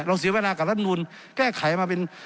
เสียเวลากับรัฐมนูลแก้ไขมาเป็น